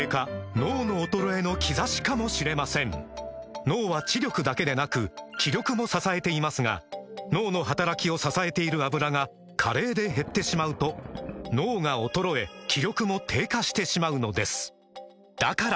脳の衰えの兆しかもしれません脳は知力だけでなく気力も支えていますが脳の働きを支えている「アブラ」が加齢で減ってしまうと脳が衰え気力も低下してしまうのですだから！